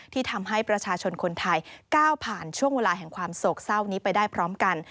ที่ทำให้ประชาชนคนไทยก้าวผ่านช่วงเวลาแห่งความโศกเศร้านี้ไปได้พร้อมกัน